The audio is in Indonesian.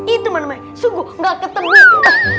itu mana main